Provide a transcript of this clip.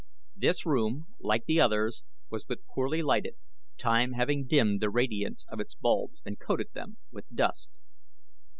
This room, like the others, was but poorly lighted, time having dimmed the radiance of its bulbs and coated them with dust.